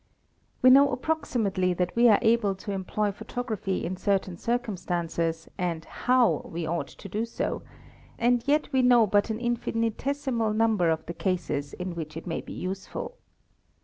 We know ioximately that we are able to employ photography in certain istances and how we ought to do so, and yet we know but an =:= 248 THE EXPERT infinitesimal number of the cases in which it may be useful.